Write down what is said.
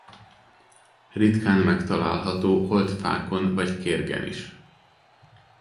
Ritkán megtalálható holt fákon vagy kérgen is.